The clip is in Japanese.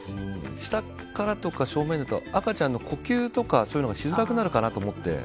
下からとか正面だと赤ちゃんの呼吸とかそういうのがしづらくなるかなと思って。